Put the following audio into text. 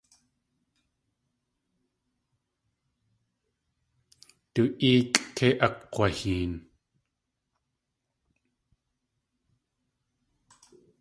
Du éekʼ kei akg̲waheen.